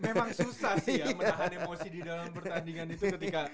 memang susah sih ya menahan emosi di dalam pertandingan itu